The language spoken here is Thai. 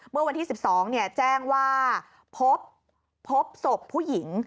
เมื่อวันที่๑๒แจ้งว่าพบศพผู้หญิง